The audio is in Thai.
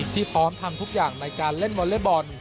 พร้อมทำทุกอย่างในการเล่นวอเล็กบอล